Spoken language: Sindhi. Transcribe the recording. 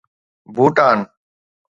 ڀوٽان